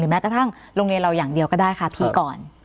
แม้กระทั่งโรงเรียนเราอย่างเดียวก็ได้ค่ะพี่ก่อน